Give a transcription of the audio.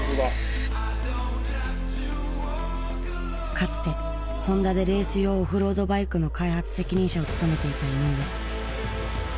かつてホンダでレース用オフロードバイクの開発責任者を務めていた井上。